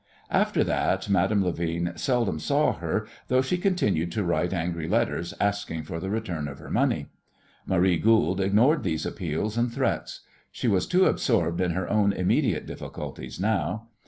After that Madame Levin seldom saw her, though she continued to write angry letters asking for the return of her money. Marie Goold ignored these appeals and threats. She was too absorbed in her own immediate difficulties now.